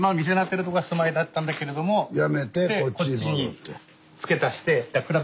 やめてこっちに戻って。